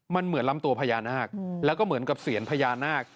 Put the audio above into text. มันเหมือนลำตัวพญานาคแล้วก็เหมือนกับเสียญพญานาค